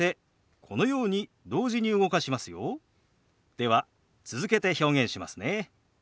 では続けて表現しますね。